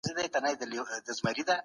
ښار مېشتي ورځ په ورځ زیاتیږي.